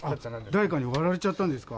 誰かに割られちゃったんですか？